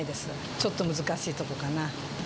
ちょっと難しいとこかな。